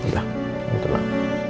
ya itu kenapa